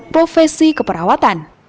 standar profesi keperawatan